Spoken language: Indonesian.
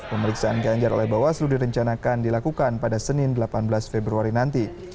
pemeriksaan ganjar oleh bawaslu direncanakan dilakukan pada senin delapan belas februari nanti